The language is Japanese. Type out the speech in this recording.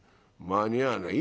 間に合わない。